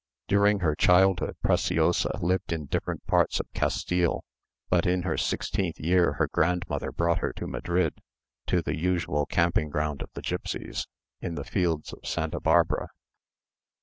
During her childhood, Preciosa lived in different parts of Castile; but in her sixteenth year her grandmother brought her to Madrid, to the usual camping ground of the gipsies, in the fields of Santa Barbara.